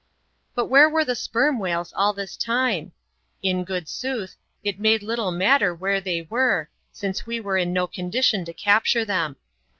' But where were the sperm whales all this time ? In good isooth, it made little matter where they were, since we were in no condition to capture them.